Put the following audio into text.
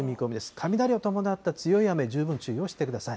雷を伴った強い雨、十分注意をしてください。